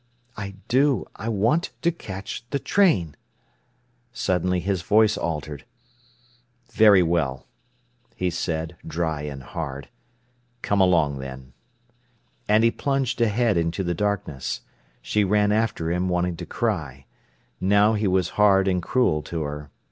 "I do—I want to catch the train." Suddenly his voice altered. "Very well," he said, dry and hard. "Come along, then." And he plunged ahead into the darkness. She ran after him, wanting to cry. Now he was hard and cruel to her.